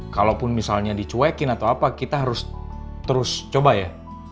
kalaupun misalnya dicuekin atau apa kita harus terus coba ya